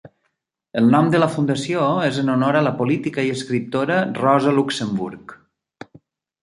El nom de la fundació és en honor a la política i escriptora Rosa Luxemburg.